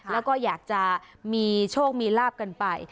แล้วก็อยากจะมีโชคมีลาบกันไป